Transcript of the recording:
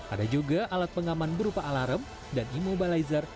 ada juga alat pengaman berupa alarm dan imobilizer